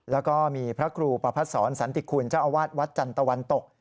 แล้วก็มีพระครูประพัดศรสันติคุณเจ้าอาวาสวัดจันทะวันตก